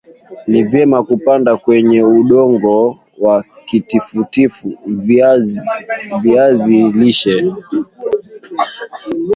Ni vyema kupanda kwenye udongo wa tifutifu viazi lishe